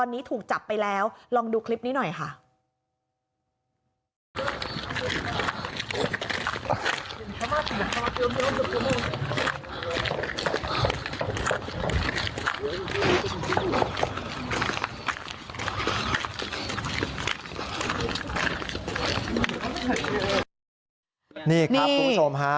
นี่คุณผู้ชมค่ะ